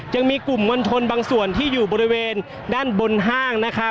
ยังมีกลุ่มมวลชนบางส่วนที่อยู่บริเวณด้านบนห้างนะคะ